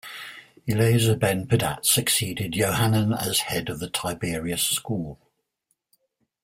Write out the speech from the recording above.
Eleazar ben Pedat succeeded Yohanan as head of the Tiberias school.